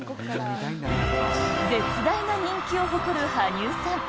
絶大な人気を誇る羽生さん。